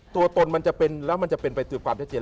ตัวตนมันจะเป็นแล้วมันจะเป็นไปด้วยความชัดเจน